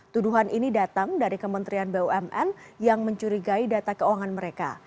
tuduhan ini datang dari kementerian bumn yang mencurigai data keuangan mereka